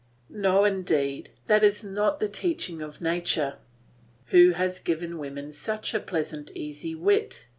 No, indeed, that is not the teaching of nature, who has given women such a pleasant easy wit.